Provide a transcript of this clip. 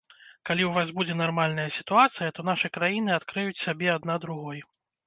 Калі ў вас будзе нармальная сітуацыя, то нашы краіны адкрыюць сябе адна другой.